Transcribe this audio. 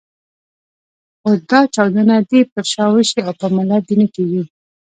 خو دا چاودنه دې پر تا وشي او پر ملت دې نه کېږي.